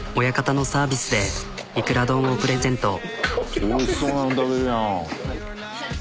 親方のサービスでいくら丼をプレゼント。